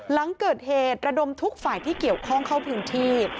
หลังเกิดเหตุระดมทุกฝ่ายที่เกี่ยวข้องเข้าพื้นที่